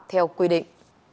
theo quy định